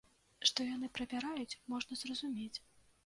Што яны правяраюць, можна зразумець.